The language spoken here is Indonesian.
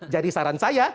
jadi saran saya